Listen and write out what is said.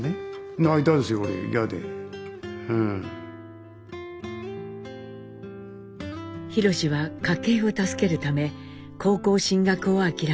弘史は家計を助けるため高校進学を諦めます。